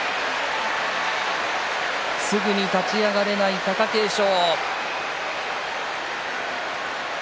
すぐに立ち上がれない貴景勝。